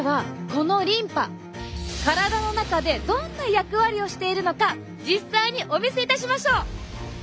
このリンパ体の中でどんな役割をしているのか実際にお見せいたしましょう。